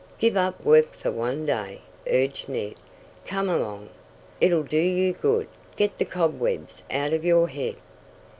Give up work for one day!" urged Ned. "Come along. It'll do you good get the cobwebs out of your head."